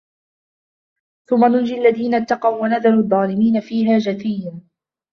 ثم ننجي الذين اتقوا ونذر الظالمين فيها جثيا